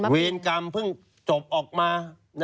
เวรกรรมเพิ่งจบออกมา